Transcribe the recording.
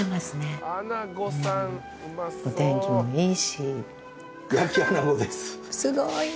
すごい。